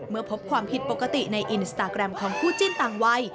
พบความผิดปกติในอินสตาแกรมของคู่จิ้นต่างวัย